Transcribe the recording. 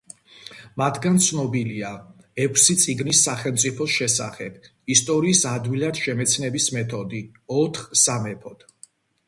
მათგან ცნობილია: „ექვსი წიგნი სახელმწიფოს შესახებ“, „ისტორიის ადვილად შემეცნების მეთოდი“, „ოთხ სამეფოდ“.